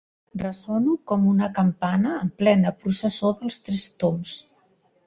Ressono com una campana en plena processó dels Tres Tombs.